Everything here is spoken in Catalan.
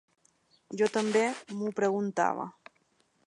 Jo també m’ho preguntava.